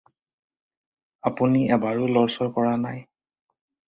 আপুনি এবাৰো লৰচৰ কৰা নাই।